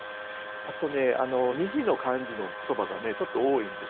あとね２字の漢字の言葉がちょっと多いんですね。